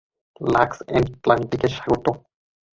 Lux এটলান্টিকে স্বাগত।